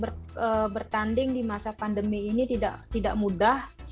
yang pasti latihan dan bertanding di masa pandemi ini tidak mudah